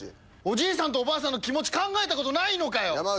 おじいさんとおばあさんの気持ち考えたことないのかよ！